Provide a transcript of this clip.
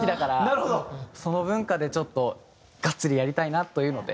その文化でちょっとがっつりやりたいなというので。